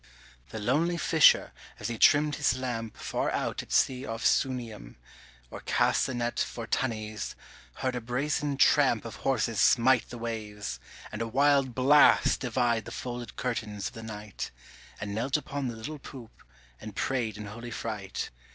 The lonely fisher as he trimmed his lamp Far out at sea off Sunium, or cast The net for tunnies, heard a brazen tramp Of horses smite the waves, and a wild blast Divide the folded curtains of the night, And knelt upon the little poop, and prayed in holy fright.